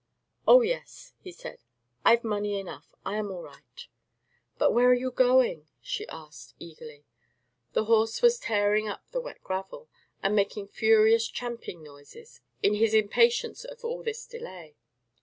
"Oh, yes," he said, "I've money enough—I am all right." "But where are you going?" she asked, eagerly. The horse was tearing up the wet gravel, and making furious champing noises in his impatience of all this delay.